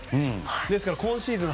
ですから、今シーズン